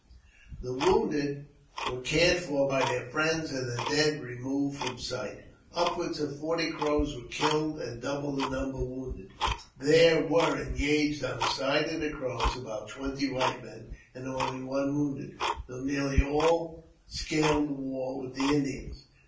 The wounded were cared for by their friends, and the dead removed from sight. Upward of forty Crows were killed, and double the number wounded. There were engaged on the side of the Crows about twenty white men, and only one was wounded, though nearly all scaled the wall with the Indians.